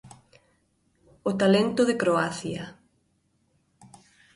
O talento de Croacia.